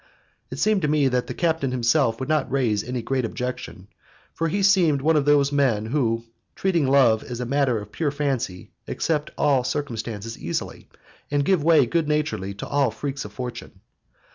It seemed to me that the captain himself would not raise any great objection, for he seemed one of those men who, treating love as a matter of pure fancy, accept all circumstances easily, and give way good naturedly to all the freaks of fortune.